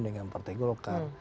dengan partai golkar